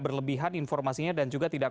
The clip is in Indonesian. berlebihan informasinya dan juga tidak